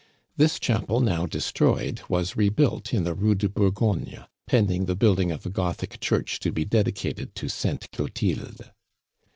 This chapel, now destroyed, was rebuilt in the Rue de Bourgogne, pending the building of a Gothic church to be dedicated to Sainte Clotilde.